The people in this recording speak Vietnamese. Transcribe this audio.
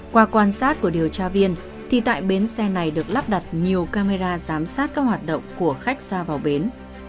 qua quan sát của điều tra viên thì tại bến xe này được lắp đặt nhiều camera giám sát các hoạt động của khách ra vào bến